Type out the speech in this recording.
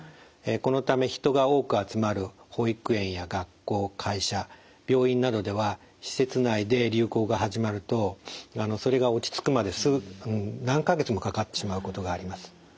このため人が多く集まる保育園や学校会社病院などでは施設内で流行が始まるとそれが落ち着くまで何か月もかかってしまうことがあります。